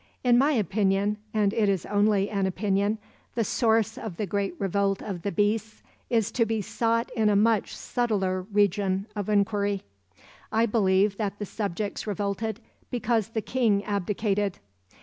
In my opinion, and it is only an opinion, the source of the great revolt of the beasts is to be sought in a much subtler region of inquiry. I believe that the subjects revolted because the king abdicated.